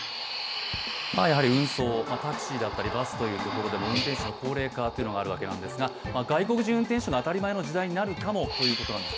運送、タクシーであったりバスというところでも運転手の高齢化というのがあるのですが外国人運転手が当たり前の時代になるかもということです。